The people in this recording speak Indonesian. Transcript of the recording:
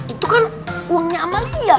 itu kan uangnya amalia